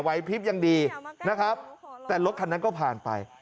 ไวท์ทริปก็ยังดีแต่รถขันนั้นก็ผ่านไป